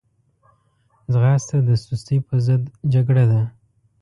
ځغاسته د سستي پر ضد جګړه ده